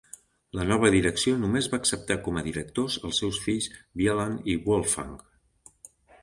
La nova direcció només va acceptar com a directors als seus fills Wieland i Wolfgang.